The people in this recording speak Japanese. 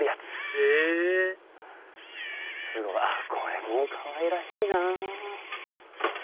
へぇこれもかわいらしいなぁ。